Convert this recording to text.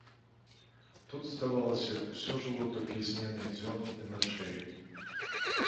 Тут, здавалася, усё жыло толькі зменай дзён і начэй.